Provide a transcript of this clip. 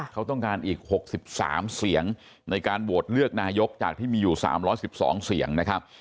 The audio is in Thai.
เขาต้องการอีก๖๓เสียงในการโหวตเลือกนายกจากที่มีอยู่๓๑๒เสียงนะครับ